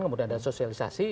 kemudian ada sosialisasi